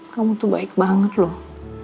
kamu tuh baik banget loh